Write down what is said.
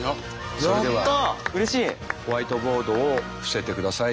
それではホワイトボードを伏せてください。